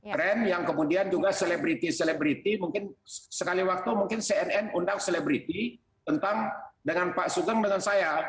tren yang kemudian juga selebriti selebriti mungkin sekali waktu mungkin cnn undang selebriti tentang dengan pak sugeng dengan saya